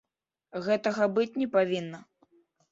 Гэтага быць не павінна!